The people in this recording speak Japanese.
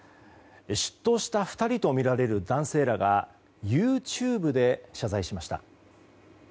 出頭した２人とみられる男性らがＹｏｕＴｕｂｅで謝罪しました。